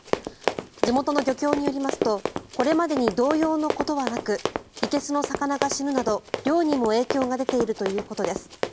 地元の漁協によりますとこれまでに同様のことはなくいけすの魚が死ぬなど漁にも影響が出ているということです。